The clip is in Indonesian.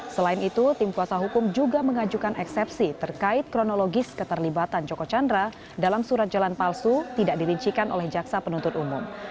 selain itu tim kuasa hukum juga mengajukan eksepsi terkait kronologis keterlibatan joko chandra dalam surat jalan palsu tidak dirincikan oleh jaksa penuntut umum